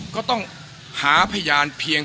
ก็ต้องหาพยานเพียง